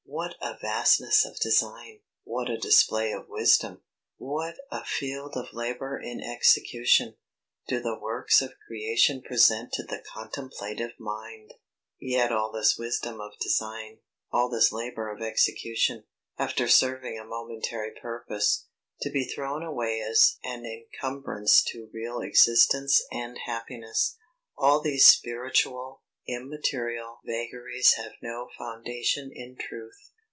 What a vastness of design! What a display of wisdom! What a field of labour in execution, do the works of creation present to the contemplative mind! Yet all this wisdom of design, all this labour of execution, after serving a momentary purpose, to be thrown away as an incumbrance to real existence and happiness. All these "spiritual," "immaterial" vagaries have no foundation in truth.